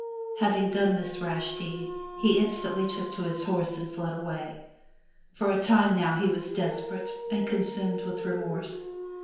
Hav ing done this rash deed, he instantly took to his horse and fled away. For a time now he was desperate and consumed with remorse.